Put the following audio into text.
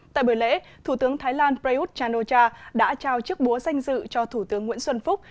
tại bữa lễ thủ tướng thái lan prayuth chan o cha đã trao chiếc búa danh dự cho thủ tướng nguyễn xuân phúc